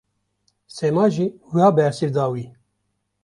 Sema jî wiha bersiv da wî.